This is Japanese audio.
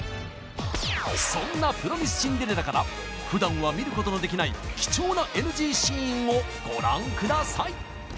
そんな「プロミス・シンデレラ」からふだんは見ることのできない貴重なＮＧシーンをご覧ください！